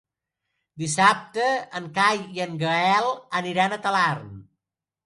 Dissabte en Cai i en Gaël iran a Talarn.